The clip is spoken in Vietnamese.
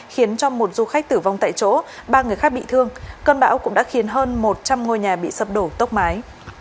khiến cho một du khách tử vong tại chỗ ba người khác bị thương cơn bão cũng đã khiến hơn một trăm linh ngôi nhà bị sập đổ tốc mái